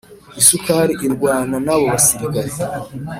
Isukari irwana nabobasirikare